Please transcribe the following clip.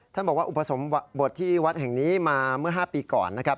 ท่านบอกว่าอุปสมบทที่วัดแห่งนี้มาเมื่อ๕ปีก่อนนะครับ